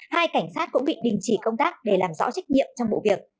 hai cảnh sát cũng bị đình chỉ công tác để làm rõ trách nhiệm trong vụ việc